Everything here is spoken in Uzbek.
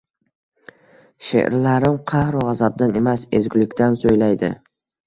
Sheʼrlarim qahru gʻazabdan emas, ezgulikdan soʻylaydi